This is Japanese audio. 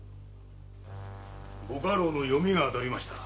ご家老の読みが当たりましたな。